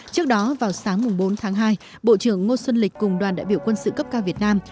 trước đó vào sáng bốn tháng hai bộ trưởng ngô xuân lịch cùng đoàn đại biểu quân sự cấp cao việt nam